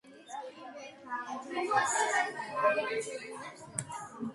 მის გვერდებზე თითო სწორკუთხა ნიშია.